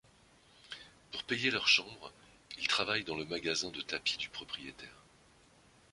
Pour payer leur chambre ils travaillent dans le magasin de tapis du propriétaire.